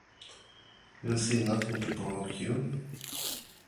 You’ll see nothing to provoke you.